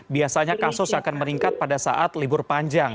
biasanya kasus akan meningkat pada saat libur panjang